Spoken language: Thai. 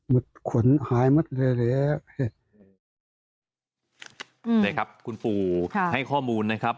เมื่อนึงจับโหตกใจไหมเล็กจิมเงินคุณผู้ให้ข้อมูลนะครับ